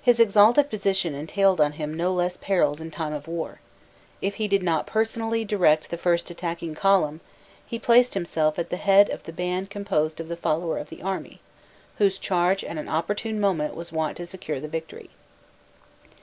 His exalted position entailed on him no less perils in time of war: if he did not personally direct the first attacking column, he placed himself at the head of the band composed of the flower of the army, whose charge at an opportune moment was wont to secure the victory.